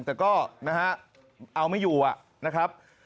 แต่ก็นะฮะเอาไม่อยู่นะครับ